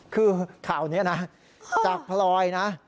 คือข่าวนี้นะจากพลอยนะ